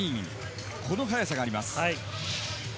この速さがあります。